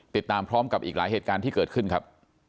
ติดตามพร้อมกับอีกหลายเหตุการณ์ที่เกิดขึ้นครับ